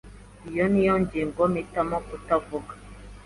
Iyo ni ingingo mpitamo kutavuga.